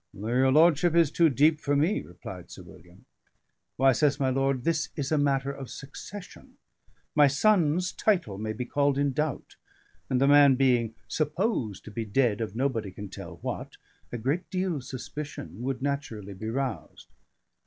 "Your lordship is too deep for me," replied Sir William. "Why," says my lord, "this is a matter of succession; my son's title may be called in doubt; and the man being supposed to be dead of nobody can tell what, a great deal of suspicion would be naturally roused."